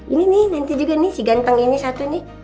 ini nih nanti juga nih si ganteng ini satu nih